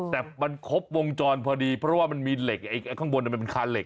แต่มันครบวงจรพอดีเพราะว่ามันมีเหล็กข้างบนมันเป็นคานเหล็